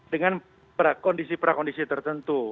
dengan kondisi kondisi tertentu